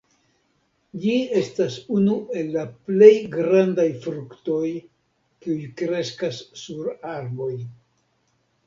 Ĝi estas unu el la plej grandaj fruktoj kiuj kreskas sur arboj.